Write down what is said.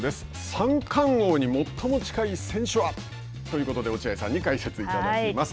三冠王に最も近い選手は？ということで落合さんに解説いただきます。